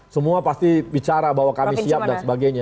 semua pasti bicara bahwa kami siap dan sebagainya